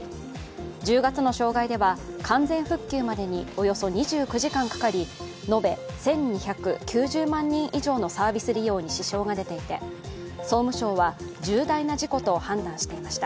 １０月の障害では完全復旧までにおよそ２９時間かかり延べ１２９０万人以上のサービス利用に支障が出ていて、総務省は重大な事故と判断していました。